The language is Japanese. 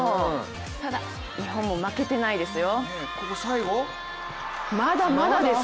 ただ、日本も負けてないですよ。